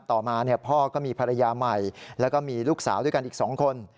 ต่อมาพ่อก็มีภรรยาใหม่แล้วก็มีลูกสาวด้วยกันอีก๒คน